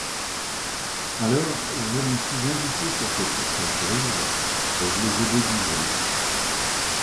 Alors je me suis invité sur ces surfaces grises et je les ai déguisées.